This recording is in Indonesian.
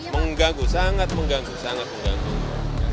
mengganggu sangat mengganggu sangat mengganggu